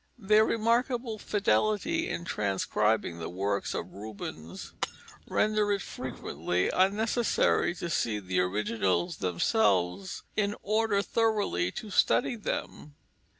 Their remarkable fidelity in transcribing the works of Rubens render it frequently unnecessary to see the originals themselves in order thoroughly to study them.